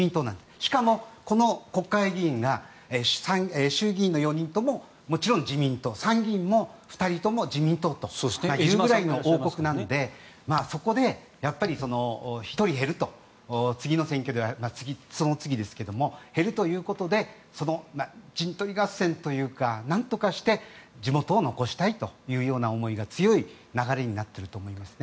しかも、この国会議員が衆議院の４人とももちろん自民党参議院も２人とも自民党というぐらいの王国なのでそこでやっぱり１人減ると次の選挙その次ですが減るということでその陣取り合戦というかなんとか地元を残したいという思いが強い流れになっていると思いますね。